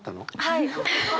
はい。